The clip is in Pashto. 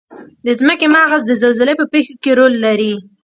د ځمکې مغز د زلزلې په پیښو کې رول لري.